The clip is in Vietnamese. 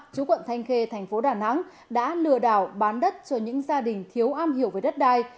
chú quận thanh khê thành phố đà nẵng đã lừa đảo bán đất cho những gia đình thiếu am hiểu về đất đai